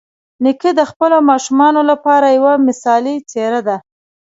نیکه د خپلو ماشومانو لپاره یوه مثالي څېره ده.